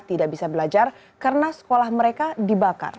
tidak bisa belajar karena sekolah mereka dibakar